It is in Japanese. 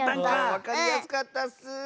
わかりやすかったッス！